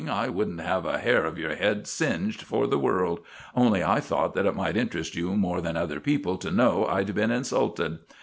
I wouldn't have a hair of your head singed for the world; only I thought that it might interest you more than other people to know I'd been insulted.